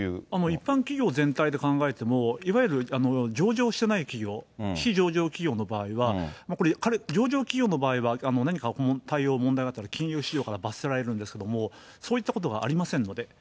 一般企業全体で考えても、いわゆる上場してない企業、非上場企業の場合は、これ、上場企業の場合は何か対応、問題があったら金融市場から罰せられるんですけれども、そういったことがありませんので。